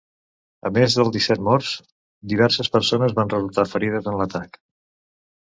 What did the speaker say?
A més dels disset morts, diverses persones van resultar ferides en l’atac.